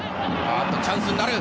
チャンスになる。